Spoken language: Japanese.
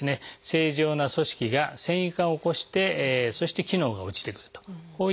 正常な組織が線維化を起こしてそして機能が落ちてくるとこういった病気ですね。